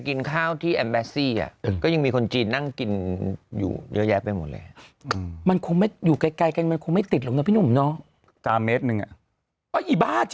เขาไม่ให้ทึนไม่ให้ทึนไม่ให้นับเข้าประเทศเลย